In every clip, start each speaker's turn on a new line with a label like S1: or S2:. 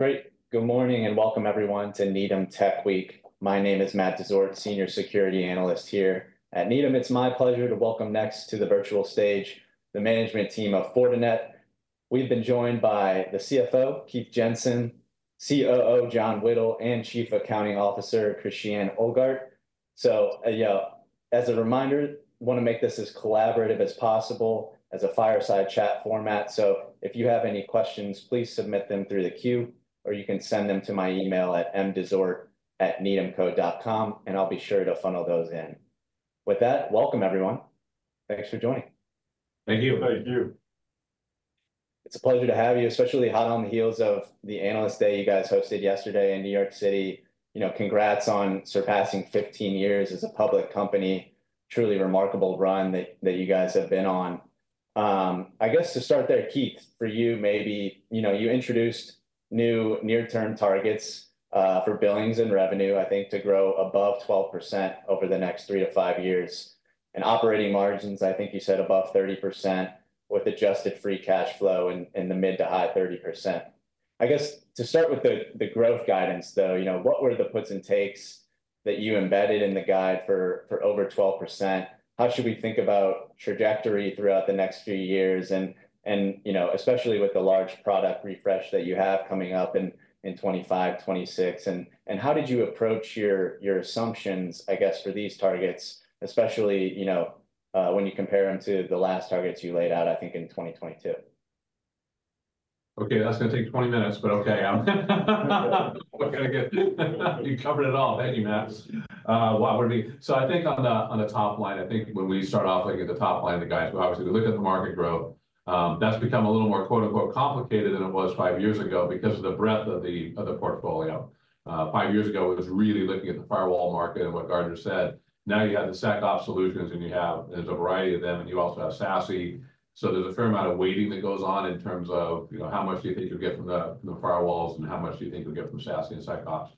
S1: Great. Good morning and welcome, everyone, to Needham Tech Week. My name is Matt Dezort, Senior Security Analyst here at Needham. It's my pleasure to welcome next to the virtual stage the management team of Fortinet. We've been joined by the CFO, Keith Jensen, COO, John Whittle, and Chief Accounting Officer, Christiane Ohlgart. So, you know, as a reminder, I want to make this as collaborative as possible as a fireside chat format. So if you have any questions, please submit them through the queue, or you can send them to my email at mdezort@needhamco.com, and I'll be sure to funnel those in. With that, welcome, everyone. Thanks for joining.
S2: Thank you.
S3: Thank you.
S1: It's a pleasure to have you, especially hot on the heels of the Analyst Day you guys hosted yesterday in New York City. You know, congrats on surpassing 15 years as a public company. Truly remarkable run that you guys have been on. I guess to start there, Keith, for you, maybe, you know, you introduced new near-term targets for billings and revenue, I think, to grow above 12% over the next 3-5 years. And operating margins, I think you said, above 30% with adjusted free cash flow in the mid to high 30%. I guess to start with the growth guidance, though, you know, what were the puts and takes that you embedded in the guide for over 12%? How should we think about trajectory throughout the next few years? You know, especially with the large product refresh that you have coming up in 2025, 2026, and how did you approach your assumptions, I guess, for these targets, especially, you know, when you compare them to the last targets you laid out, I think, in 2022?
S2: Okay. That's going to take 20 minutes, but okay. I'm going to get you covered at all. Thank you, Matt. Wow, what a beauty. So I think on the top line, I think when we start off looking at the top line, the guys will obviously look at the market growth. That's become a little more "complicated" than it was five years ago because of the breadth of the portfolio. Five years ago, it was really looking at the firewall market and what Gartner said. Now you have the SecOps solutions, and you have a variety of them, and you also have SASE. So there's a fair amount of weighting that goes on in terms of, you know, how much do you think you'll get from the firewalls and how much do you think you'll get from SASE and SecOps.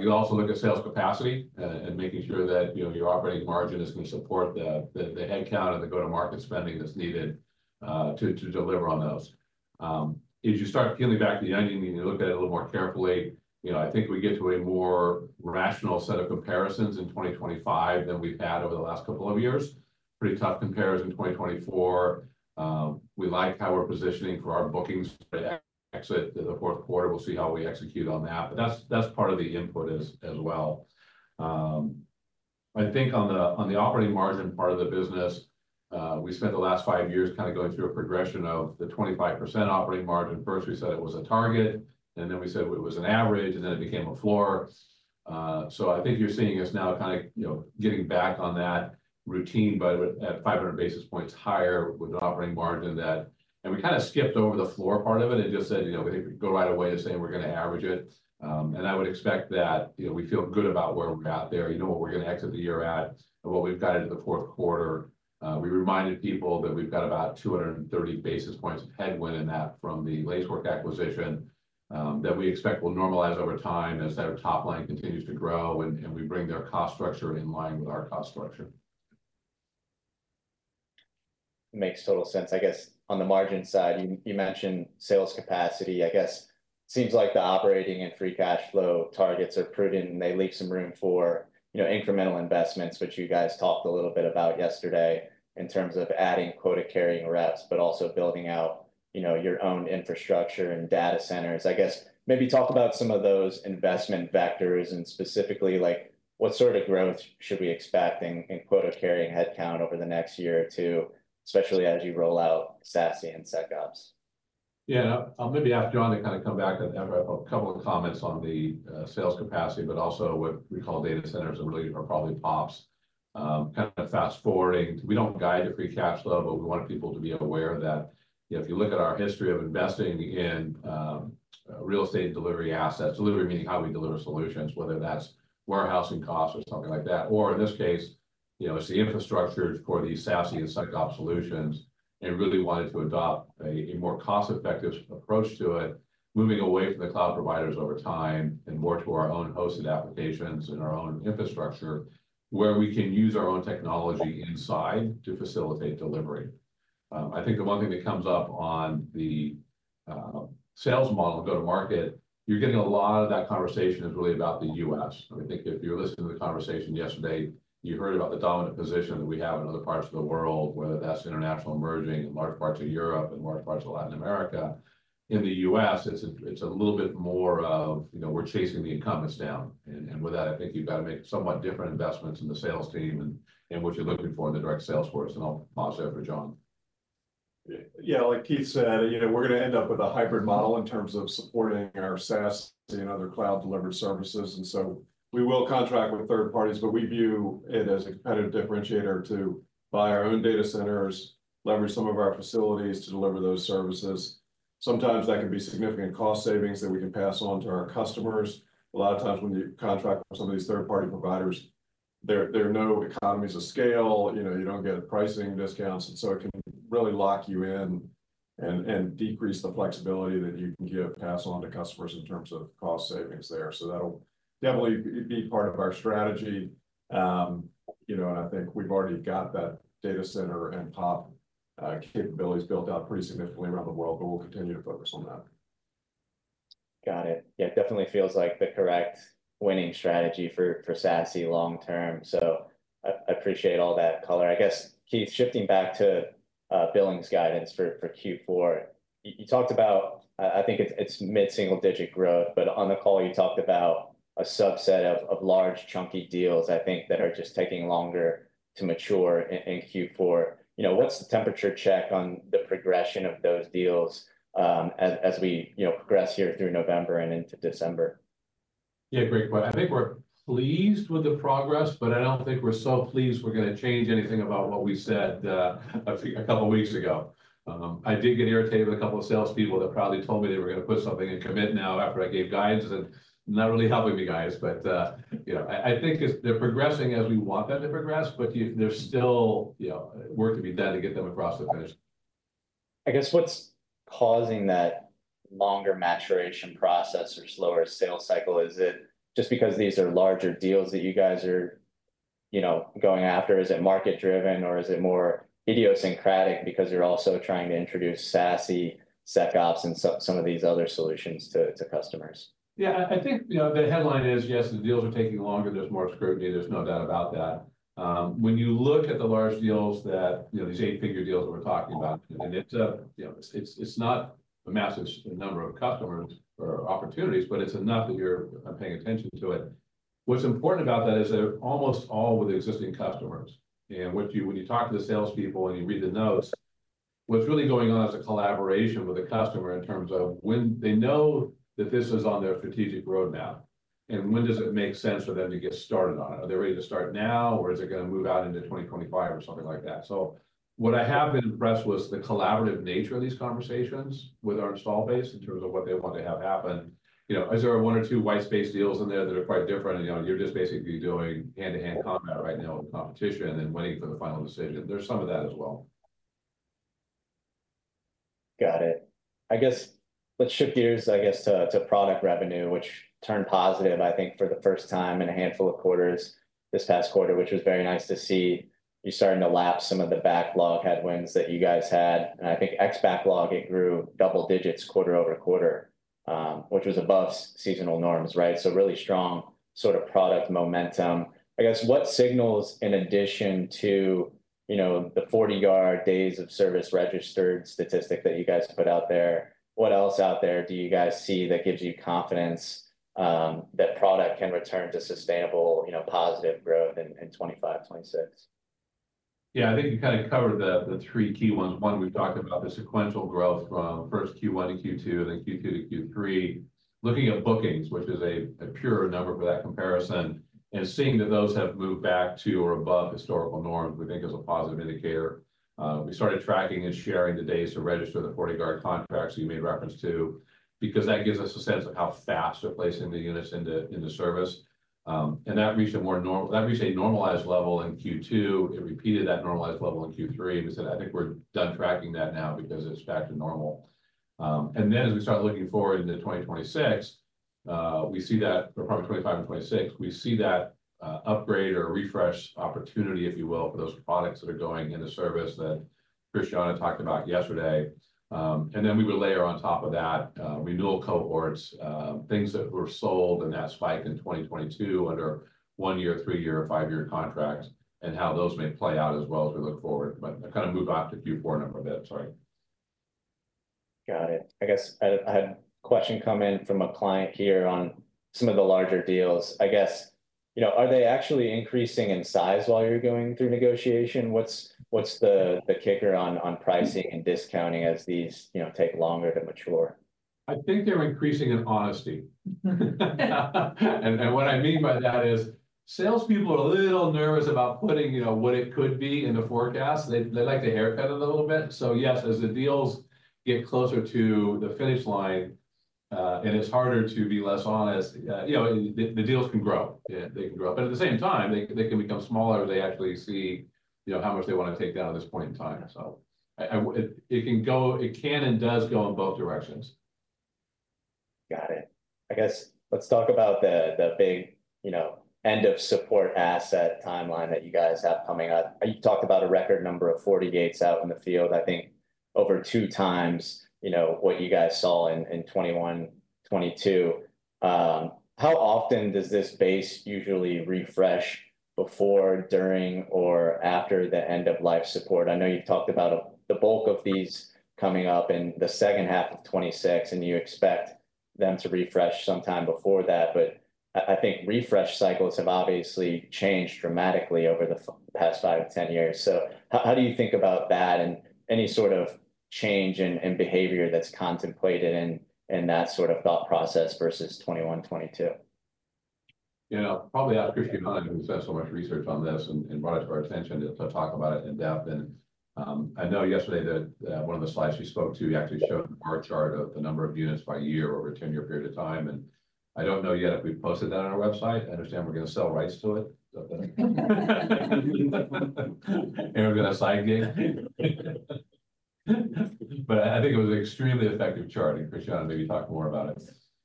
S2: You also look at sales capacity and making sure that, you know, your operating margin is going to support the headcount and the go-to-market spending that's needed to deliver on those. As you start peeling back the onion and you look at it a little more carefully, you know, I think we get to a more rational set of comparisons in 2025 than we've had over the last couple of years. Pretty tough comparison in 2024. We like how we're positioning for our bookings for the exit to the fourth quarter. We'll see how we execute on that. But that's part of the input as well. I think on the operating margin part of the business, we spent the last five years kind of going through a progression of the 25% operating margin. First, we said it was a target, and then we said it was an average, and then it became a floor. So I think you're seeing us now kind of, you know, getting back on that routine, but at 500 basis points higher with an operating margin that, and we kind of skipped over the floor part of it and just said, you know, we think we go right away to saying we're going to average it. And I would expect that, you know, we feel good about where we're at there. You know what we're going to exit the year at and what we've got into the fourth quarter. We reminded people that we've got about 230 basis points of headwind in that from the Lacework acquisition that we expect will normalize over time as their top line continues to grow and we bring their cost structure in line with our cost structure.
S1: Makes total sense. I guess on the margin side, you mentioned sales capacity. I guess it seems like the operating and free cash flow targets are prudent, and they leave some room for, you know, incremental investments, which you guys talked a little bit about yesterday in terms of adding quota-carrying reps, but also building out, you know, your own infrastructure and data centers. I guess maybe talk about some of those investment vectors and specifically, like, what sort of growth should we expect in quota-carrying headcount over the next year or two, especially as you roll out SASE and SecOps?
S2: Yeah, I'll maybe ask John to kind of come back and add a couple of comments on the sales capacity, but also what we call data centers and really are probably POPs. Kind of fast forwarding, we don't guide the free cash flow, but we want people to be aware that, you know, if you look at our history of investing in real estate and delivery assets, delivery meaning how we deliver solutions, whether that's warehousing costs or something like that, or in this case, you know, it's the infrastructure for the SASE and SecOps solutions, and really wanted to adopt a more cost-effective approach to it, moving away from the cloud providers over time and more to our own hosted applications and our own infrastructure where we can use our own technology inside to facilitate delivery.I think the one thing that comes up on the sales model and go-to-market, you're getting a lot of that conversation, is really about the U.S. I think if you're listening to the conversation yesterday, you heard about the dominant position that we have in other parts of the world, whether that's international emerging in large parts of Europe and large parts of Latin America. In the U.S., it's a little bit more of, you know, we're chasing the incumbents down. And with that, I think you've got to make somewhat different investments in the sales team and what you're looking for in the direct sales force, and I'll pause there for John.
S3: Yeah, like Keith said, you know, we're going to end up with a hybrid model in terms of supporting our SASE and other cloud-delivered services, and so we will contract with third parties, but we view it as a competitive differentiator to buy our own data centers, leverage some of our facilities to deliver those services. Sometimes that can be significant cost savings that we can pass on to our customers. A lot of times when you contract with some of these third-party providers, there are no economies of scale. You know, you don't get pricing discounts, and so it can really lock you in and decrease the flexibility that you can pass on to customers in terms of cost savings there, so that'll definitely be part of our strategy. You know, and I think we've already got that data center and POP capabilities built out pretty significantly around the world, but we'll continue to focus on that.
S1: Got it. Yeah, definitely feels like the correct winning strategy for SASE long-term. So I appreciate all that color. I guess, Keith, shifting back to billings guidance for Q4, you talked about, I think it's mid-single-digit growth, but on the call, you talked about a subset of large chunky deals, I think, that are just taking longer to mature in Q4. You know, what's the temperature check on the progression of those deals as we, you know, progress here through November and into December?
S2: Yeah, great point. I think we're pleased with the progress, but I don't think we're so pleased we're going to change anything about what we said a couple of weeks ago. I did get irritated with a couple of salespeople that probably told me they were going to put something in commit now after I gave guidance and not really helping me guys. But, you know, I think they're progressing as we want them to progress, but there's still, you know, work to be done to get them across the finish.
S1: I guess what's causing that longer maturation process or slower sales cycle? Is it just because these are larger deals that you guys are, you know, going after? Is it market-driven, or is it more idiosyncratic because you're also trying to introduce SASE, SecOps, and some of these other solutions to customers?
S2: Yeah, I think, you know, the headline is, yes, the deals are taking longer. There's more scrutiny. There's no doubt about that. When you look at the large deals that, you know, these eight-figure deals that we're talking about, and it's a, you know, it's not a massive number of customers or opportunities, but it's enough that you're paying attention to it. What's important about that is they're almost all with existing customers. And when you talk to the salespeople and you read the notes, what's really going on is a collaboration with the customer in terms of when they know that this is on their strategic roadmap and when does it make sense for them to get started on it? Are they ready to start now, or is it going to move out into 2025 or something like that? So what I have been impressed with is the collaborative nature of these conversations with our install base in terms of what they want to have happen. You know, is there one or two white space deals in there that are quite different? You know, you're just basically doing hand-to-hand combat right now with competition and waiting for the final decision. There's some of that as well.
S1: Got it. I guess let's shift gears, I guess, to product revenue, which turned positive, I think, for the first time in a handful of quarters this past quarter, which was very nice to see you starting to lap some of the backlog headwinds that you guys had. And I think ex-backlog, it grew double digits quarter over quarter, which was above seasonal norms, right? So really strong sort of product momentum. I guess what signals, in addition to, you know, the FortiGuard days of service registered statistic that you guys put out there, what else out there do you guys see that gives you confidence that product can return to sustainable, you know, positive growth in 2025, 2026?
S2: Yeah, I think you kind of covered the three key ones. One, we've talked about the sequential growth from first Q1 to Q2, then Q2 to Q3. Looking at bookings, which is a pure number for that comparison, and seeing that those have moved back to or above historical norms, we think is a positive indicator. We started tracking and sharing the days to register the FortiGuard contract you made reference to because that gives us a sense of how fast we're placing the units into service. And that reached a normalized level in Q2. It repeated that normalized level in Q3. We said, I think we're done tracking that now because it's back to normal. And then as we start looking forward into 2026, we see that for probably 2025 and 2026, we see that upgrade or refresh opportunity, if you will, for those products that are going into service that Christiane talked about yesterday. And then we would layer on top of that renewal cohorts, things that were sold in that spike in 2022 under one-year, three-year, five-year contracts and how those may play out as well as we look forward. But I kind of moved off to Q4 a number of bits. Sorry.
S1: Got it. I guess I had a question come in from a client here on some of the larger deals. I guess, you know, are they actually increasing in size while you're going through negotiation? What's the kicker on pricing and discounting as these, you know, take longer to mature?
S3: I think they're increasing in honesty. And what I mean by that is salespeople are a little nervous about putting, you know, what it could be in the forecast. They like to haircut it a little bit. So yes, as the deals get closer to the finish line and it's harder to be less honest, you know, the deals can grow. They can grow. But at the same time, they can become smaller if they actually see, you know, how much they want to take down at this point in time. So it can go, it can and does go in both directions.
S1: Got it. I guess let's talk about the big, you know, end-of-support asset timeline that you guys have coming up. You talked about a record number of FortiGates out in the field, I think over two times, you know, what you guys saw in 2021, 2022. How often does this base usually refresh before, during, or after the end-of-life support? I know you've talked about the bulk of these coming up in the second half of 2026, and you expect them to refresh sometime before that. But I think refresh cycles have obviously changed dramatically over the past 5 to 10 years. So how do you think about that and any sort of change in behavior that's contemplated in that sort of thought process versus 2021, 2022?
S2: Yeah, probably Christiane Ohlgart who's done so much research on this and brought it to our attention to talk about it in depth. And I know yesterday that one of the slides she spoke to actually showed our chart of the number of units by year over a 10-year period of time. And I don't know yet if we posted that on our website. I understand we're going to sell rights to it. And we're going to syndicate. But I think it was an extremely effective chart. And Christiane, maybe talk more about it.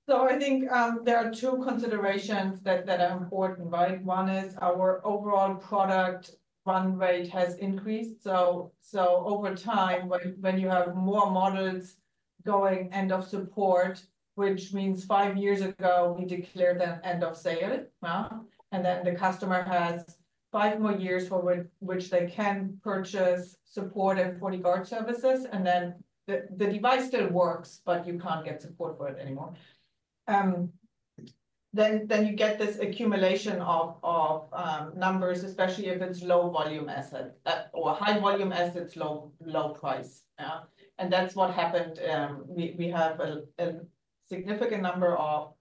S4: So I think there are two considerations that are important, right? One is our overall product run rate has increased. So over time, when you have more models going end-of-support, which means five years ago we declared that end-of-sale, and then the customer has five more years for which they can purchase support and FortiGuard services, and then the device still works, but you can't get support for it anymore. Then you get this accumulation of numbers, especially if it's low-volume asset or high-volume assets, low price. And that's what happened. We have a significant number of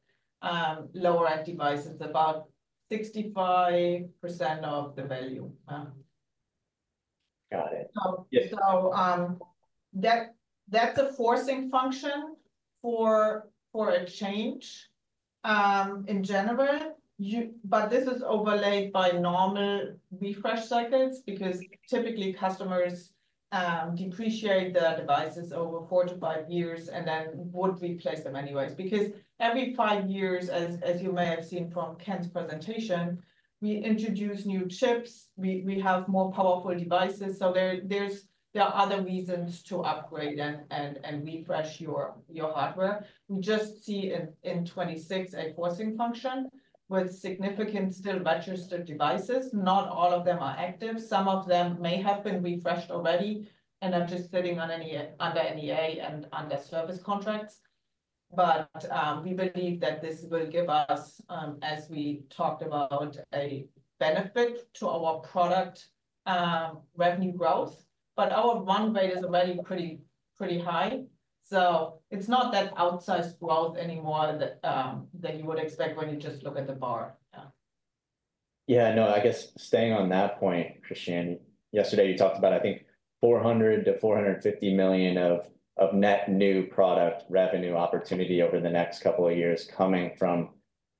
S4: lower-end devices, about 65% of the value.
S1: Got it.
S4: So that's a forcing function for a change in general, but this is overlaid by normal refresh cycles because typically customers depreciate their devices over four to five years and then would replace them anyways. Because every five years, as you may have seen from Ken's presentation, we introduce new chips, we have more powerful devices. So there are other reasons to upgrade and refresh your hardware. We just see in 2026 a forcing function with significant still registered devices. Not all of them are active. Some of them may have been refreshed already and are just sitting under an EA and under service contracts. But we believe that this will give us, as we talked about, a benefit to our product revenue growth. But our run rate is already pretty high. So it's not that outsized growth anymore that you would expect when you just look at the bar.
S1: Yeah, no, I guess staying on that point, Christiane, yesterday you talked about, I think, $400 million-$450 million of net new product revenue opportunity over the next couple of years coming from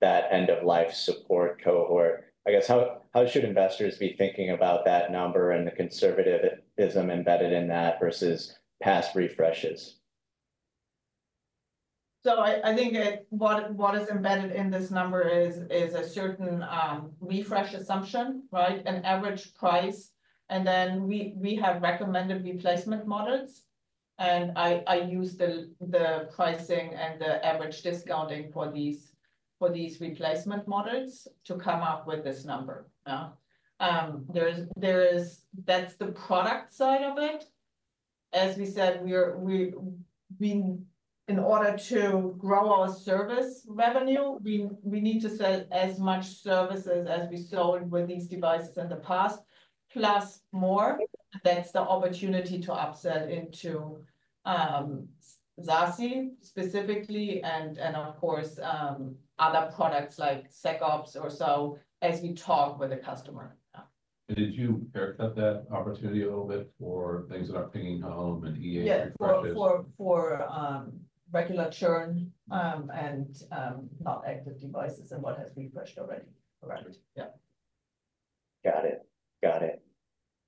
S1: that end-of-life support cohort. I guess how should investors be thinking about that number and the conservatism embedded in that versus past refreshes?
S4: So I think what is embedded in this number is a certain refresh assumption, right? An average price. And then we have recommended replacement models. And I use the pricing and the average discounting for these replacement models to come up with this number. That's the product side of it. As we said, in order to grow our service revenue, we need to sell as much services as we sold with these devices in the past, plus more. That's the opportunity to upsell into SASE specifically and, of course, other products like SecOps or so as we talk with the customer.
S2: Did you haircut that opportunity a little bit for things that aren't pinging home and EA refreshes?
S4: For regular churn and not active devices and what has refreshed already. Correct.
S1: Yeah. Got it. Got it.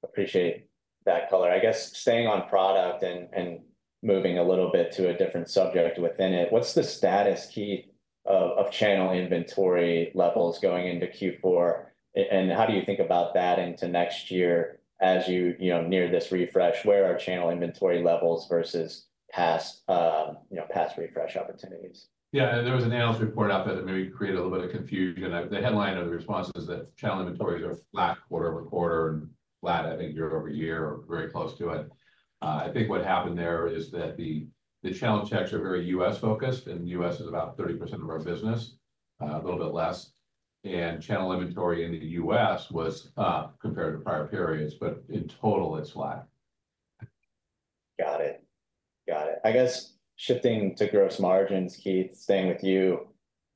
S1: Appreciate that color. I guess staying on product and moving a little bit to a different subject within it, what's the status, Keith, of channel inventory levels going into Q4? And how do you think about that into next year as you near this refresh? Where are channel inventory levels versus past refresh opportunities?
S2: Yeah, there was an analyst report out there that maybe created a little bit of confusion. The headline of the response is that channel inventories are flat quarter over quarter and flat, I think, year over year, or very close to it. I think what happened there is that the channel checks are very U.S.-focused, and the U.S. is about 30% of our business, a little bit less, and channel inventory in the U.S. was up compared to prior periods, but in total, it's flat.
S1: Got it. Got it. I guess, shifting to gross margins, Keith, staying with you,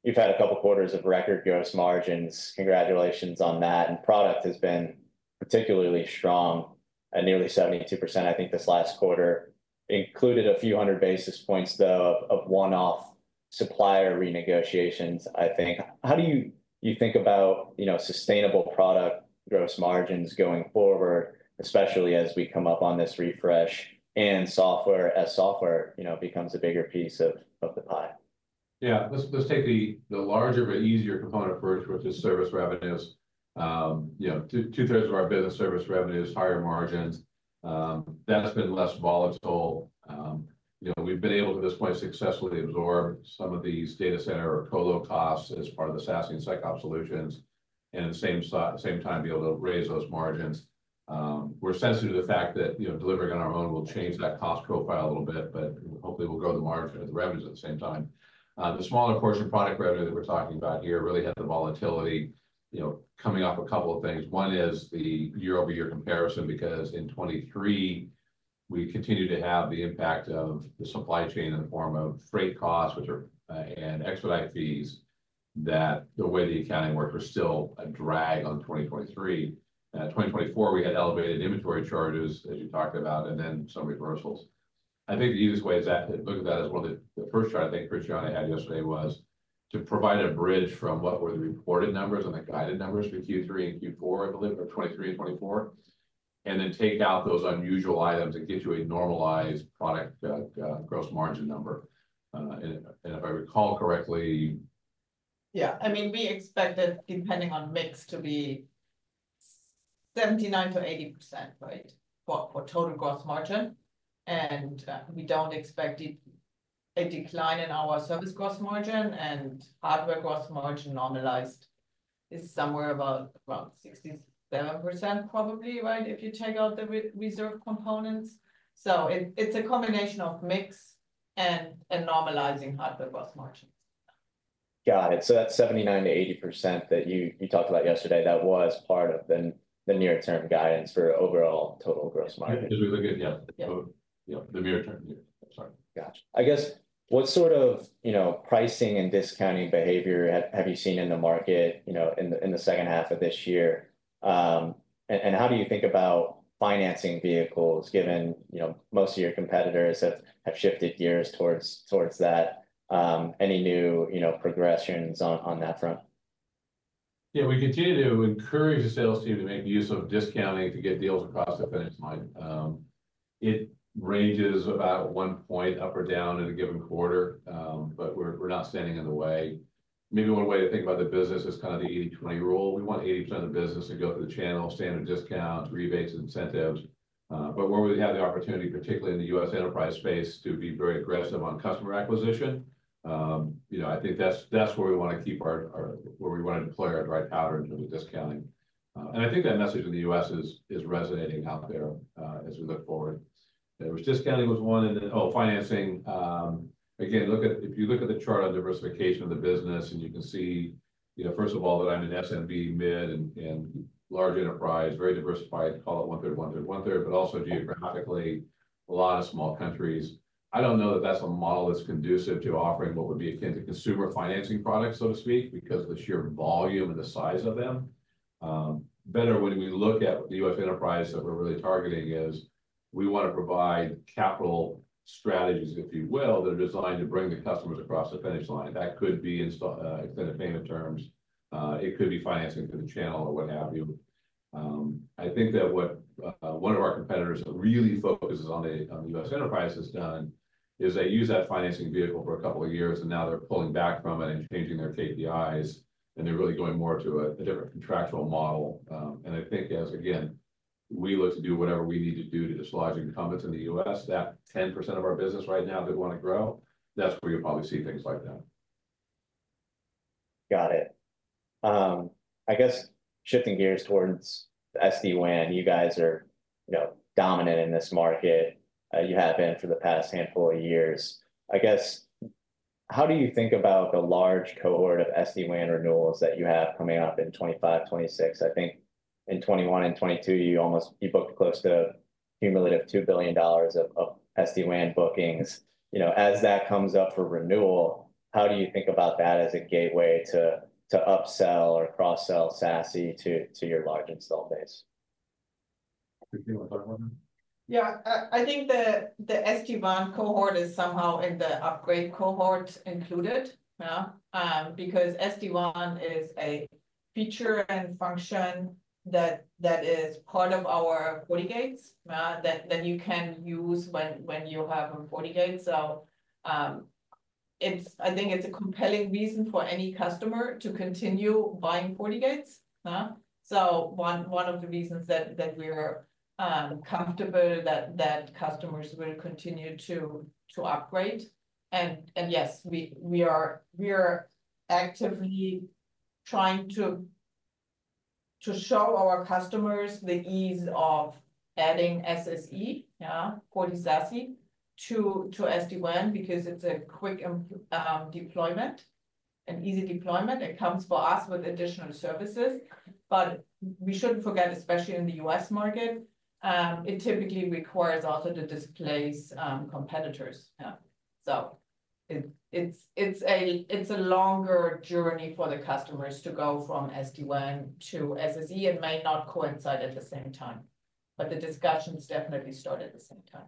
S1: you've had a couple of quarters of record gross margins. Congratulations on that, and product has been particularly strong at nearly 72%, I think, this last quarter. Included a few hundred basis points, though, of one-off supplier renegotiations, I think. How do you think about sustainable product gross margins going forward, especially as we come up on this refresh and software becomes a bigger piece of the pie?
S2: Yeah, let's take the larger but easier component first, which is service revenues. Two-thirds of our business service revenue is higher margins. That's been less volatile. We've been able to at this point successfully absorb some of these data center or colo costs as part of the SASE and SecOps solutions. And at the same time, be able to raise those margins. We're sensitive to the fact that delivering on our own will change that cost profile a little bit, but hopefully we'll grow the margin of the revenues at the same time. The smaller portion of product revenue that we're talking about here really had the volatility coming off a couple of things. One is the year-over-year comparison because in 2023, we continue to have the impact of the supply chain in the form of freight costs and expedite fees that the way the accounting worked was still a drag on 2023. In 2024, we had elevated inventory charges, as you talked about, and then some reversals. I think the easiest way to look at that is one of the first charts I think Christiane had yesterday was to provide a bridge from what were the reported numbers and the guided numbers for Q3 and Q4, I believe, or 2023 and 2024, and then take out those unusual items and get you a normalized product gross margin number, and if I recall correctly.
S4: Yeah, I mean, we expected, depending on mix, to be 79%-80%, right, for total gross margin. And we don't expect a decline in our service gross margin. And hardware gross margin normalized is somewhere about 67%, probably, right, if you take out the reserve components. So it's a combination of mix and normalizing hardware gross margin.
S1: Got it. So that 79%-80% that you talked about yesterday, that was part of the near-term guidance for overall total gross margin.
S2: Yeah, the near-term here. Sorry.Gotcha.
S1: I guess what sort of pricing and discounting behavior have you seen in the market in the second half of this year? And how do you think about financing vehicles given most of your competitors have shifted gears towards that? Any new progressions on that front?
S2: Yeah, we continue to encourage the sales team to make use of discounting to get deals across the finish line. It ranges about one point up or down in a given quarter, but we're not standing in the way. Maybe one way to think about the business is kind of the 80/20 rule. We want 80% of the business to go through the channel, standard discounts, rebates, incentives. But where we have the opportunity, particularly in the U.S. enterprise space, to be very aggressive on customer acquisition, I think that's where we want to deploy our dry powder in terms of discounting. And I think that message in the U.S. is resonating out there as we look forward. Discounting was one. And then financing, again, if you look at the chart on diversification of the business, and you can see, first of all, that in SMB, mid-market, and large enterprise, very diversified, call it one-third, one-third, one-third, but also geographically, a lot of small countries. I don't know that that's a model that's conducive to offering what would be akin to consumer financing products, so to speak, because of the sheer volume and the size of them. Better when we look at the U.S. enterprise that we're really targeting is we want to provide capital strategies, if you will, that are designed to bring the customers across the finish line. That could be extended payment terms. It could be financing through the channel or what have you. I think that what one of our competitors that really focuses on the U.S. Enterprise has done is they use that financing vehicle for a couple of years, and now they're pulling back from it and changing their KPIs, and they're really going more to a different contractual model, and I think as, again, we look to do whatever we need to do to dislodge incumbents in the U.S., that 10% of our business right now that want to grow, that's where you'll probably see things like that.
S1: Got it. I guess shifting gears towards SD-WAN, you guys are dominant in this market. You have been for the past handful of years. I guess how do you think about the large cohort of SD-WAN renewals that you have coming up in 2025, 2026? I think in 2021 and 2022, you booked close to a cumulative $2 billion of SD-WAN bookings. As that comes up for renewal, how do you think about that as a gateway to upsell or cross-sell SASE to your large install base?
S4: Yeah, I think the SD-WAN cohort is somehow in the upgrade cohort included because SD-WAN is a feature and function that is part of our FortiGates that you can use when you have a FortiGate. So I think it's a compelling reason for any customer to continue buying FortiGates. So one of the reasons that we're comfortable that customers will continue to upgrade. And yes, we are actively trying to show our customers the ease of adding SSE, FortiSASE, to SD-WAN because it's a quick deployment, an easy deployment. It comes for us with additional services. But we shouldn't forget, especially in the U.S. market, it typically requires also to displace competitors. So it's a longer journey for the customers to go from SD-WAN to SSE and may not coincide at the same time. But the discussions definitely start at the same time.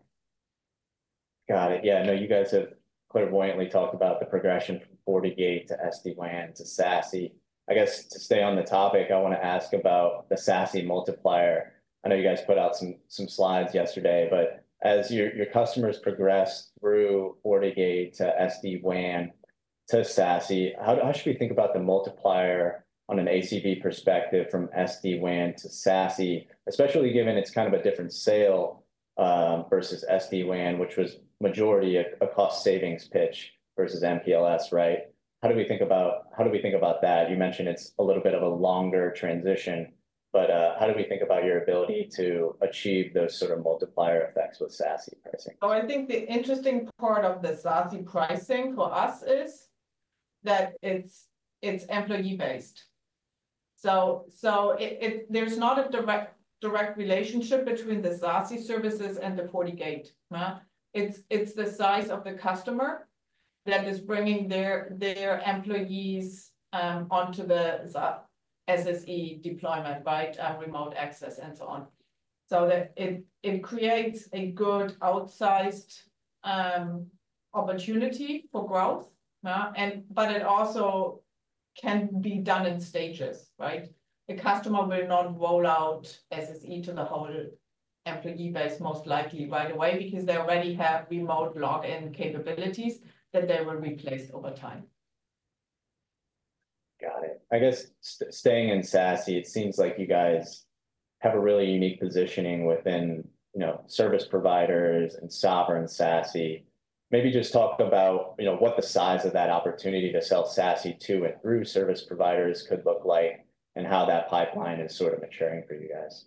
S1: Got it. Yeah, I know you guys have quite buoyantly talked about the progression from FortiGate to SD-WAN to SASE. I guess to stay on the topic, I want to ask about the SASE multiplier. I know you guys put out some slides yesterday, but as your customers progress through FortiGate to SD-WAN to SASE, how should we think about the multiplier on an ACV perspective from SD-WAN to SASE, especially given it's kind of a different sale versus SD-WAN, which was majority a cost savings pitch versus MPLS, right? How do we think about that? You mentioned it's a little bit of a longer transition, but how do we think about your ability to achieve those sort of multiplier effects with SASE pricing?
S4: I think the interesting part of the SASE pricing for us is that it's employee-based. So there's not a direct relationship between the SASE services and the FortiGate. It's the size of the customer that is bringing their employees onto the SSE deployment, right, remote access, and so on. So it creates a good outsized opportunity for growth, but it also can be done in stages, right? The customer will not roll out SSE to the whole employee base most likely right away because they already have remote login capabilities that they will replace over time.
S1: Got it. I guess staying in SASE, it seems like you guys have a really unique positioning within service providers and sovereign SASE. Maybe just talk about what the size of that opportunity to sell SASE to and through service providers could look like and how that pipeline is sort of maturing for you guys.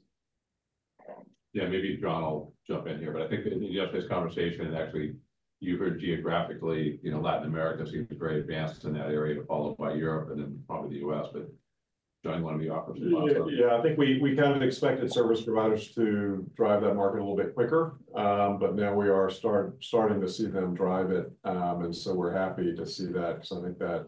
S2: Yeah, maybe John will jump in here, but I think in yesterday's conversation, actually, you heard geographically Latin America seems very advanced in that area, followed by Europe and then probably the U.S., but John, you want to offer some thoughts?
S3: Yeah, I think we kind of expected service providers to drive that market a little bit quicker, but now we are starting to see them drive it, and so we're happy to see that because I think that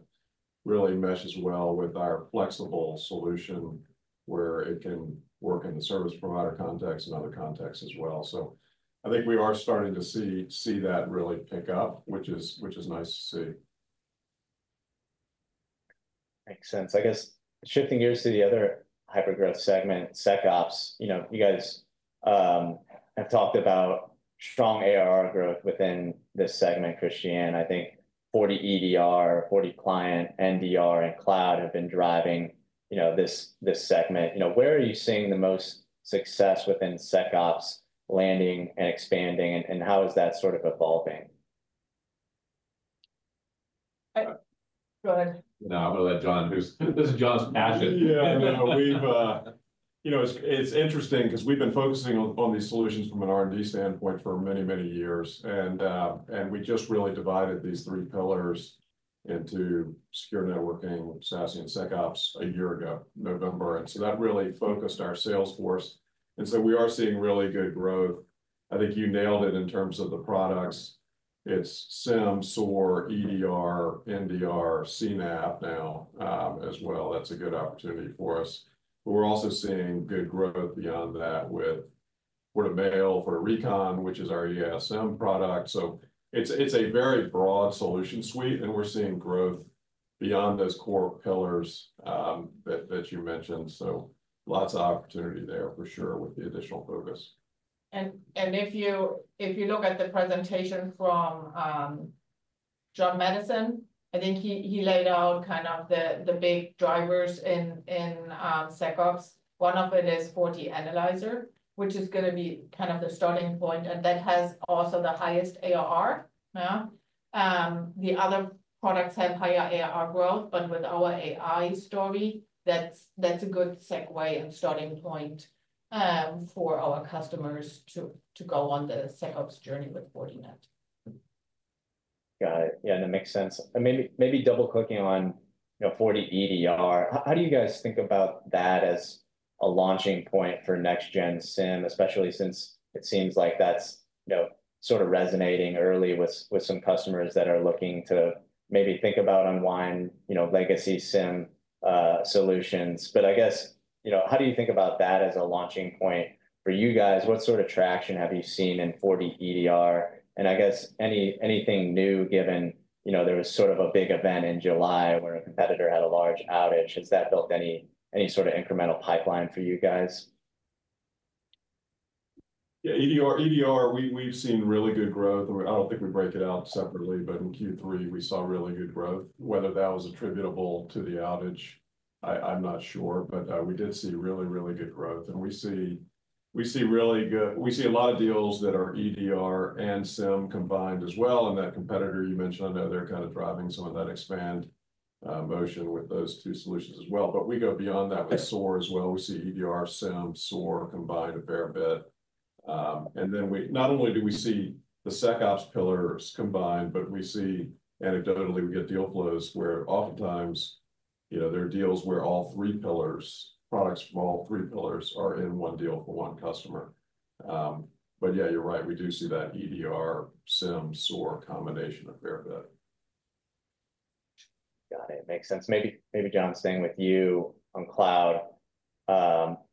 S3: really meshes well with our flexible solution where it can work in the service provider context and other contexts as well, so I think we are starting to see that really pick up, which is nice to see.
S1: Makes sense. I guess shifting gears to the other hypergrowth segment, SecOps, you guys have talked about strong ARR growth within this segment, Christiane. I think FortiEDR, FortiClient, FortiNDR, and cloud have been driving this segment. Where are you seeing the most success within SecOps landing and expanding, and how is that sort of evolving?
S4: Go ahead.
S2: No, I'm going to let John. This is John's passion.
S3: Yeah, no, it's interesting because we've been focusing on these solutions from an R&D standpoint for many, many years, and we just really divided these three pillars into secure networking, SASE, and SecOps a year ago, November, and so that really focused our sales force, and so we are seeing really good growth. I think you nailed it in terms of the products. It's SIEM, SOAR, EDR, NDR, CNAPP now as well. That's a good opportunity for us, but we're also seeing good growth beyond that with FortiMail, FortiRecon, which is our EASM product, so it's a very broad solution suite, and we're seeing growth beyond those core pillars that you mentioned, so lots of opportunity there for sure with the additional focus.
S4: If you look at the presentation from John Maddison, I think he laid out kind of the big drivers in SecOps. One of it is FortiAnalyzer, which is going to be kind of the starting point, and that has also the highest ARR. The other products have higher ARR growth, but with our AI story, that's a good segue and starting point for our customers to go on the SecOps journey with Fortinet.
S1: Got it. Yeah, that makes sense. Maybe double-clicking on FortiEDR, how do you guys think about that as a launching point for next-gen SIEM, especially since it seems like that's sort of resonating early with some customers that are looking to maybe think about unwind legacy SIEM solutions? But I guess how do you think about that as a launching point for you guys? What sort of traction have you seen in FortiEDR? And I guess anything new, given there was sort of a big event in July where a competitor had a large outage, has that built any sort of incremental pipeline for you guys?
S3: Yeah, EDR, we've seen really good growth. I don't think we break it out separately, but in Q3, we saw really good growth, whether that was attributable to the outage. I'm not sure, but we did see really, really good growth. And we see really good, we see a lot of deals that are EDR and SIEM combined as well. And that competitor you mentioned, I know they're kind of driving some of that expand motion with those two solutions as well. But we go beyond that with SOAR as well. We see EDR, SIEM, SOAR combined a fair bit. And then not only do we see the SecOps pillars combined, but we see anecdotally we get deal flows where oftentimes there are deals where all three pillars, products from all three pillars are in one deal for one customer. But yeah, you're right, we do see that EDR, SIEM, SOAR combination a fair bit.
S1: Got it. Makes sense. Maybe John, staying with you on cloud,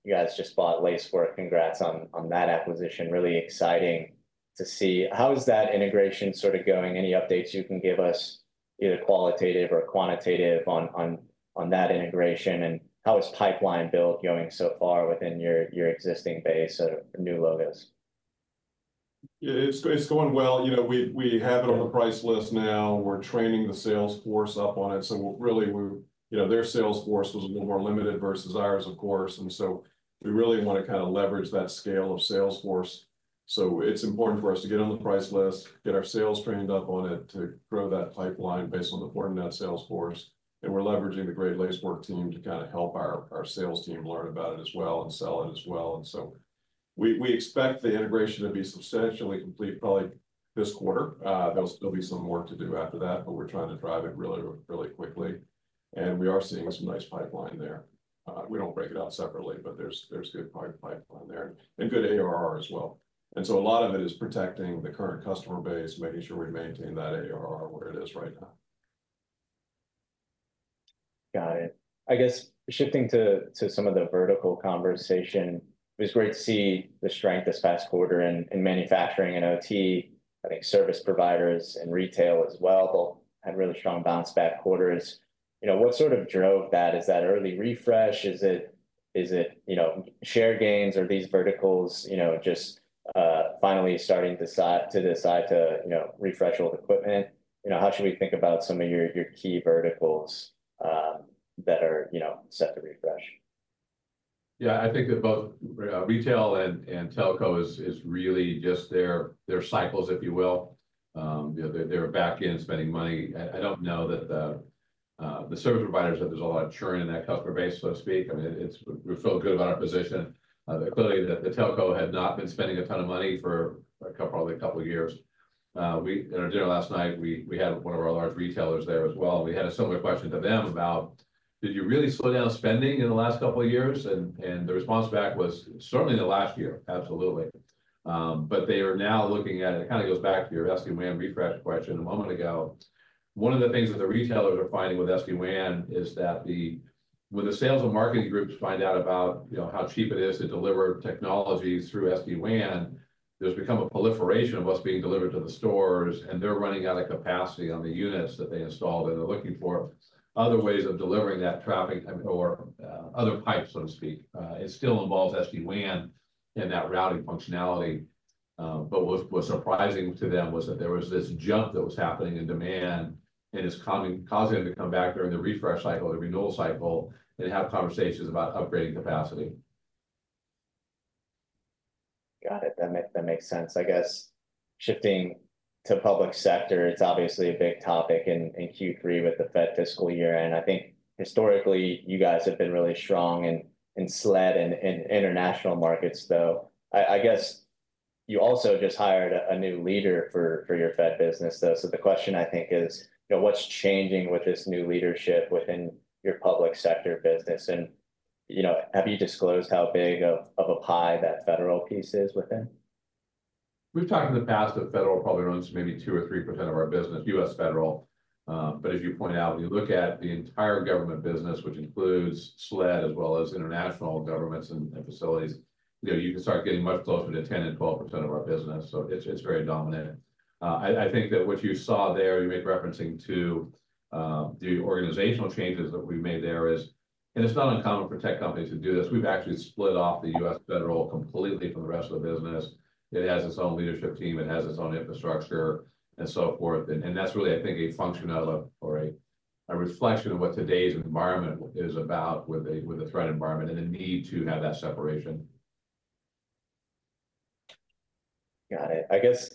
S1: you guys just bought Lacework. Congrats on that acquisition. Really exciting to see. How is that integration sort of going? Any updates you can give us, either qualitative or quantitative on that integration? And how is pipeline build going so far within your existing base of new logos?
S3: Yeah, it's going well. We have it on the price list now. We're training the sales force up on it. So really, their sales force was a little more limited versus ours, of course. And so we really want to kind of leverage that scale of sales force. So it's important for us to get on the price list, get our sales trained up on it to grow that pipeline based on the Fortinet sales force. And we're leveraging the great Lacework team to kind of help our sales team learn about it as well and sell it as well. And so we expect the integration to be substantially complete probably this quarter. There'll still be some work to do after that, but we're trying to drive it really, really quickly. And we are seeing some nice pipeline there. We don't break it out separately, but there's good pipeline there and good ARR as well. And so a lot of it is protecting the current customer base, making sure we maintain that ARR where it is right now.
S1: Got it. I guess shifting to some of the vertical conversation, it was great to see the strength this past quarter in manufacturing and OT. I think service providers and retail as well had really strong bounce-back quarters. What sort of drove that? Is that early refresh? Is it share gains or these verticals just finally starting to decide to refresh old equipment? How should we think about some of your key verticals that are set to refresh?
S2: Yeah, I think that both retail and telco is really just their cycles, if you will. They're back in spending money. I don't know that the service providers have. There's a lot of churn in that customer base, so to speak. I mean, we feel good about our position. Clearly, the telco had not been spending a ton of money for probably a couple of years. At our dinner last night, we had one of our large retailers there as well. We had a similar question to them about, "Did you really slow down spending in the last couple of years?" And the response back was, "Certainly in the last year, absolutely." But they are now looking at it. It kind of goes back to your SD-WAN refresh question a moment ago. One of the things that the retailers are finding with SD-WAN is that when the sales and marketing groups find out about how cheap it is to deliver technology through SD-WAN, there's become a proliferation of what's being delivered to the stores, and they're running out of capacity on the units that they installed, and they're looking for other ways of delivering that traffic or other pipes, so to speak. It still involves SD-WAN and that routing functionality, but what was surprising to them was that there was this jump that was happening in demand and is causing them to come back during the refresh cycle, the renewal cycle, and have conversations about upgrading capacity.
S1: Got it. That makes sense. I guess shifting to public sector, it's obviously a big topic in Q3 with the Fed fiscal year. And I think historically, you guys have been really strong in SLED in international markets, though. I guess you also just hired a new leader for your Fed business, though. So the question I think is, what's changing with this new leadership within your public sector business? And have you disclosed how big of a pie that federal piece is within?
S2: We've talked in the past that federal probably runs maybe 2% or 3% of our business, U.S. federal. But as you point out, when you look at the entire government business, which includes SLED as well as international governments and facilities, you can start getting much closer to 10% and 12% of our business. So it's very dominant. I think that what you saw there, you make referencing to the organizational changes that we've made there is, and it's not uncommon for tech companies to do this. We've actually split off the U.S. federal completely from the rest of the business. It has its own leadership team. It has its own infrastructure and so forth. And that's really, I think, a functional or a reflection of what today's environment is about with the threat environment and the need to have that separation.
S1: Got it. I guess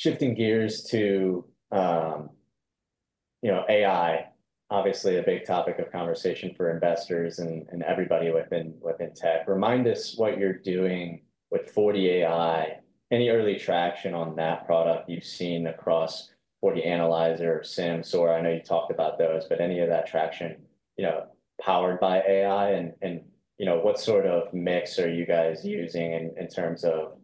S1: shifting gears to AI, obviously a big topic of conversation for investors and everybody within tech. Remind us what you're doing with FortiAI. Any early traction on that product you've seen across FortiAnalyzer, SIEM, SOAR? I know you talked about those, but any of that traction powered by AI? And what sort of mix are you guys using in terms of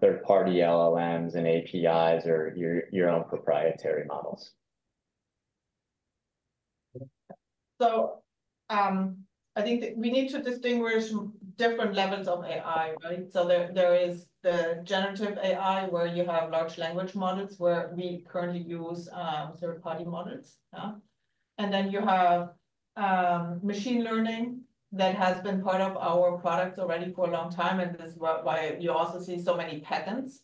S1: third-party LLMs and APIs or your own proprietary models?
S4: I think that we need to distinguish different levels of AI, right? There is the generative AI where you have large language models where we currently use third-party models. Then you have machine learning that has been part of our product already for a long time. This is why you also see so many patents.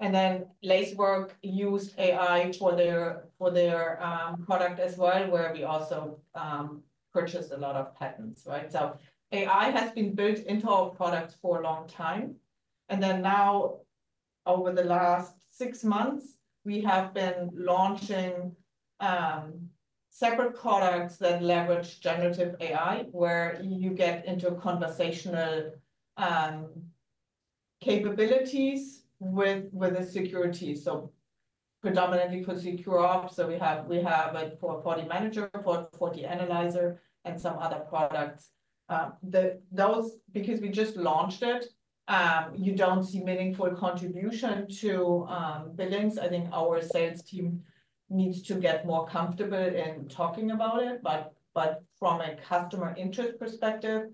S4: Then Lacework used AI for their product as well, where we also purchased a lot of patents, right? AI has been built into our product for a long time. Then now, over the last six months, we have been launching separate products that leverage generative AI where you get into conversational capabilities with the security. Predominantly for SecOps. We have a FortiManager, FortiAnalyzer, and some other products. Because we just launched it, you don't see meaningful contribution to billings. I think our sales team needs to get more comfortable in talking about it, but from a customer interest perspective,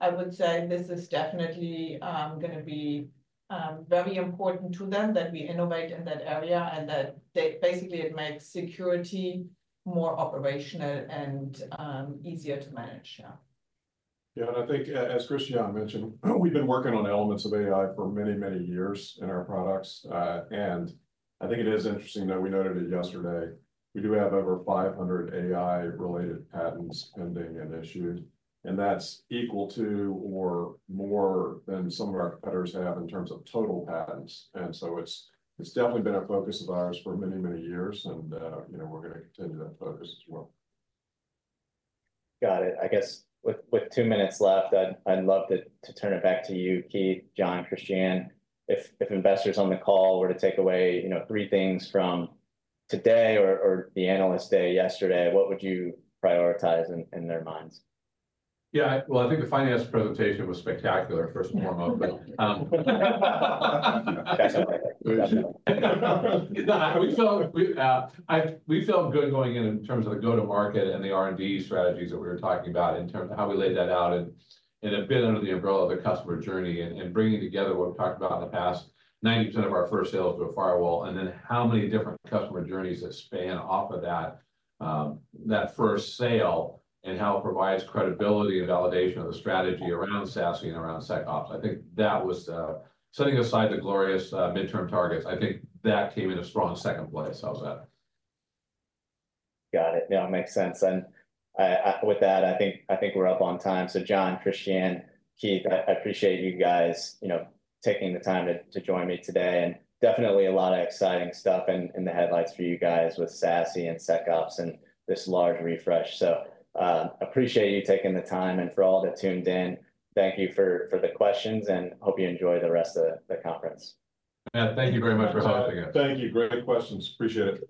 S4: I would say this is definitely going to be very important to them that we innovate in that area and that basically it makes security more operational and easier to manage.
S3: Yeah, and I think as Christiane mentioned, we've been working on elements of AI for many, many years in our products. And I think it is interesting that we noted it yesterday. We do have over 500 AI-related patents pending and issued. And that's equal to or more than some of our competitors have in terms of total patents. And so it's definitely been a focus of ours for many, many years. And we're going to continue that focus as well.
S1: Got it. I guess with two minutes left, I'd love to turn it back to you, Keith, John, Christiane. If investors on the call were to take away three things from today or the analyst day yesterday, what would you prioritize in their minds?
S2: Yeah, well, I think the finance presentation was spectacular, first and foremost. We felt good going in in terms of the go-to-market and the R&D strategies that we were talking about in terms of how we laid that out and have been under the umbrella of the customer journey and bringing together what we've talked about in the past, 90% of our first sales to a firewall, and then how many different customer journeys that span off of that first sale and how it provides credibility and validation of the strategy around SASE and around SecOps. I think that was setting aside the glorious midterm targets. I think that came in a strong second place.
S1: Got it. That makes sense. And with that, I think we're up on time. So John, Christiane, Keith, I appreciate you guys taking the time to join me today. And definitely a lot of exciting stuff in the headlines for you guys with SASE and SecOps and this large refresh. So appreciate you taking the time. And for all that tuned in, thank you for the questions and hope you enjoy the rest of the conference.
S2: Thank you very much for having us.
S3: Thank you. Great questions. Appreciate it.